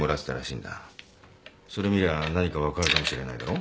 それ見りゃ何か分かるかもしれないだろ？